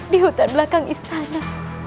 di hutan belakang istana